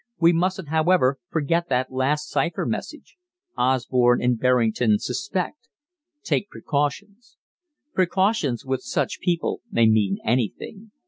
We mustn't, however, forget that last cypher message: 'Osborne and Berrington suspect; take precautions.' 'Precautions' with such people may mean anything.